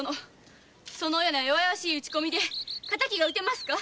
そのような弱々しい打ち込みで敵が討てますか！